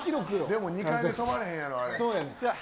でも２回目跳ばれへんやろあれ。